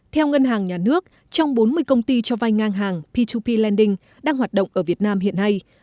theo ngân hàng nhà nước trong bốn mươi công ty cho vay ngang hàng po p lending đang hoạt động ở việt nam hiện nay